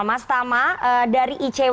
mas tama dari icw